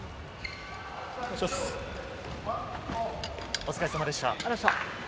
お疲れさまでした。